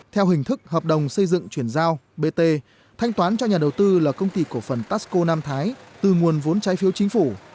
theo hình thức hợp đồng xây dựng chuyển giao bt thanh toán cho nhà đầu tư là công ty cổ phần tasco nam thái từ nguồn vốn trái phiếu chính phủ